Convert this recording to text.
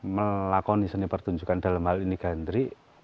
melakoni seni pertunjukan dalam hal ini gandri